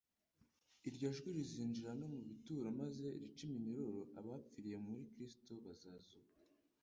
Iryo jwi rizinjira no mu bituro maze rice iminyururu, abapfiriye muri Kristo bazazuka.